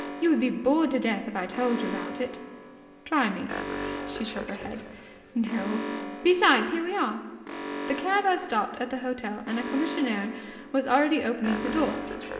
You would be bored to death if I told you about it." "Try me." She shook her head. "No. Besides, here we are." The cab had stopped at the hotel, and a commissionaire was already opening the door.